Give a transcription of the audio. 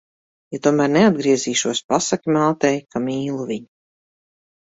Ja tomēr neatgriezīšos, pasaki mātei, ka mīlu viņu.